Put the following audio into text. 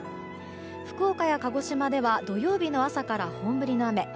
福岡や鹿児島では土曜日の朝から本降りの雨。